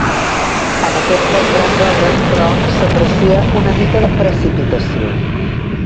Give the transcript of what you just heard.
En aquestes grans obres, però s'aprecia una mica de precipitació.